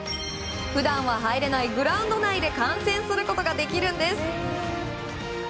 普段は入れないグラウンド内で観戦することができるんです。